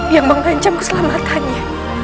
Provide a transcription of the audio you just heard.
yang mengancam keselamatannya